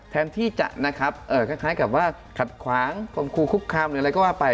แถนที่จะคล้ายกับว่าขัดขวางความคลูขุลความอะไรก็ว่าไป